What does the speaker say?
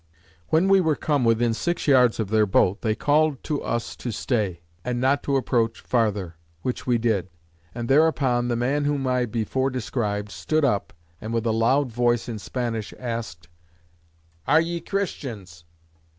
When we were come within six yards of their boat, they called to us to stay, and not to approach farther; which we did. And thereupon the man, whom I before described, stood up, and with a loud voice, in Spanish, asked, "Are ye Christians?"